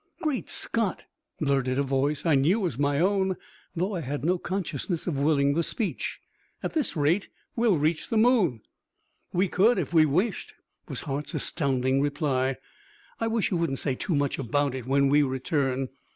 "Great Scott!" blurted a voice I knew was my own, though I had no consciousness of willing the speech. "At this rate we'll reach the moon!" "We could, if we wished," was Hart's astounding reply; "I wish you wouldn't say too much about it when we return.